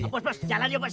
bos bos jalan ya bos